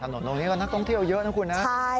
ตรงนี้ก็นักท่องเที่ยวเยอะนะคุณนะ